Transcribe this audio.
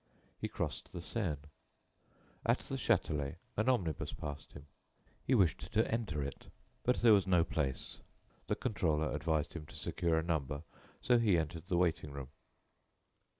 He crossed the Seine. At the Châtelet an omnibus passed him. He wished to enter it, but there was no place. The controller advised him to secure a number, so he entered the waiting room.